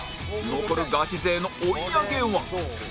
残るガチ勢の追い上げは？